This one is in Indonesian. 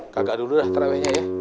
kakak dulu dah terawihnya ya